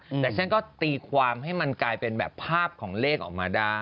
แต่ฉันก็ตีความให้มันกลายเป็นแบบภาพของเลขออกมาได้